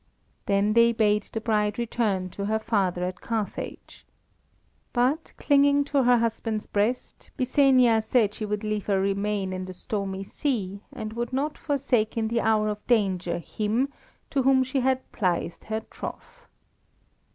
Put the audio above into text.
Then they bade the bride return to her father at Carthage. But, clinging to her husband's breast, Byssenia said she would liefer remain in the stormy sea, and would not forsake in the hour of danger him to whom she had plighted her troth.